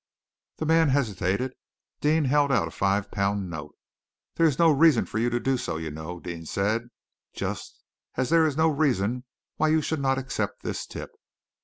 The man hesitated. Deane held out a five pound note. "There is no reason for you to do so, you know," Deane said, "just as there is no reason why you should not accept this tip."